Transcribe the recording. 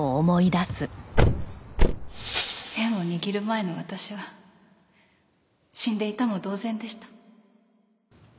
ペンを握る前の私は死んでいたも同然でした。